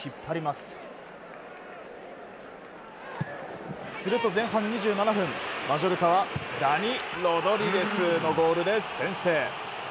すると前半２７分、マジョルカはダニ・ロドリゲスのゴールで先制。